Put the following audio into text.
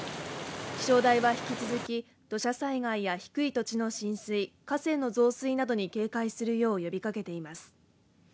気象台は引き続き土砂災害や低い土地の浸水河川の増水などに警戒するよう呼びかけています。